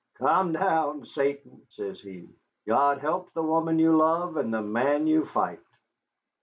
"Come down, Satan," says he. "God help the woman you love and the man you fight."